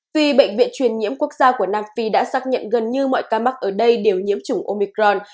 vì bệnh viện truyền nhiễm quốc gia của nam phi đã xác nhận gần như mọi ca mắc ở đây đều nhiễm chủng omicron